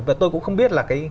và tôi cũng không biết là